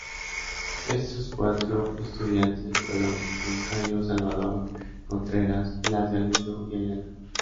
Estos cuatro estudiantes fueron Moncayo, Salvador Contreras, Blas Galindo y Ayala.